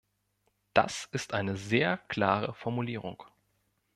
Das ist eine sehr klare Formulierung.